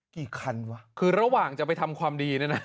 กี่คันวะคือระหว่างจะไปทำความดีเนี่ยนะ